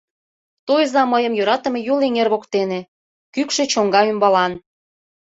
Тойыза мыйым йӧратыме Юл эҥер воктене, кӱкшӧ чоҥга ӱмбалан.